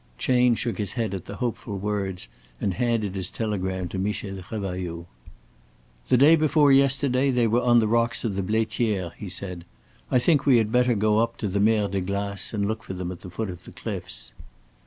Chayne shook his head at the hopeful words and handed his telegram to Michel Revailloud. "The day before yesterday they were on the rocks of the Blaitière," he said. "I think we had better go up to the Mer de Glace and look for them at the foot of the cliffs."